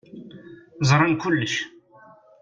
Ẓran kulec.